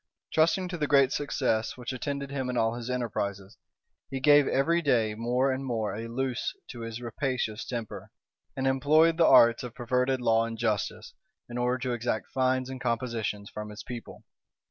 Trusting to the great success which attended him in all his enterprises, he gave every day more and more a loose to his rapacious temper, and employed the arts of perverted law and justice, in order to exact fines and compositions from his people.